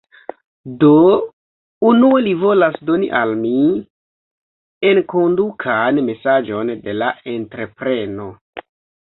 Do, unue li volas doni al mi... enkondukan mesaĝon de la entrepreno.